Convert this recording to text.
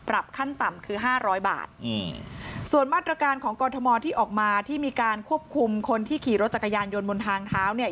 ขั้นต่ำคือห้าร้อยบาทอืมส่วนมาตรการของกรทมที่ออกมาที่มีการควบคุมคนที่ขี่รถจักรยานยนต์บนทางเท้าเนี่ย